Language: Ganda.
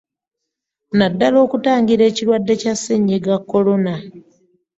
Naddala okutangira ekirwadde kya Ssennyiga Corona.